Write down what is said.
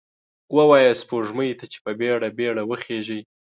ووایه سپوږمۍ ته، چې په بیړه، بیړه وخیژئ